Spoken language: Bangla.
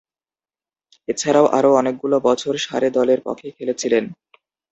এছাড়াও আরও অনেকগুলো বছর সারে দলের পক্ষে খেলেছিলেন।